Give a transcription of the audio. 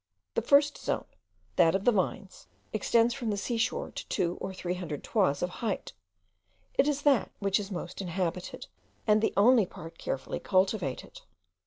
The first zone, that of the vines, extends from the sea shore to two or three hundred toises of height; it is that which is most inhabited, and the only part carefully cultivated.